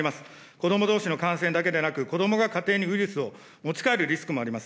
子どもどうしの感染だけでなく、子どもが家庭にウイルスを持ち帰るリスクもあります。